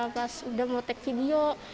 pas udah mau take video